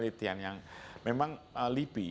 penelitian yang memang lipi